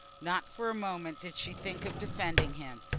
Not for a moment did she think of defending him.